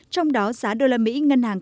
trong đó giá đô la mỹ ngân hàng